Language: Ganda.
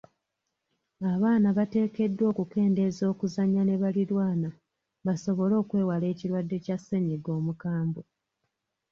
Abaana bateekeddwa okukendeeze okuzannya ne baliraanwa basobole okwewala ekirwadde kya ssennyiga omukambwe.